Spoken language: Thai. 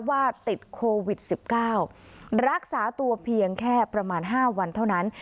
ว่าติดโควิด๑๙รักษาตัวเพียงแค่ประมาณ๕วันเท่านั้น